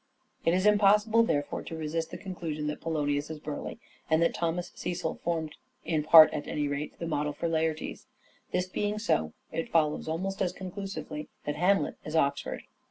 Ophelia It is impossible therefore to resist the conclusion Oxford y t*13* P°l°nius is Burleigh, and that Thomas Cecil formed, in part at any rate, the model for Laertes. This being so, it follows almost as conclusively, that Hamlet is Oxford.